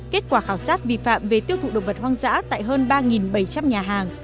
kết quả khảo sát vi phạm về tiêu thụ động vật hoang dã tại hơn ba bảy trăm linh nhà hàng